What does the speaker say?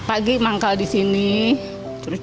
saya sudah pulang dari miliamsha